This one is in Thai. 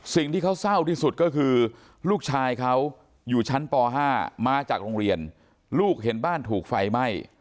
สิ่งที่เขาเศร้าที่สุดก็คือลูกชายเขาอยู่ชั้นป๕มาจากโรงเรียนลูกเห็นบ้านถูกไฟไหม้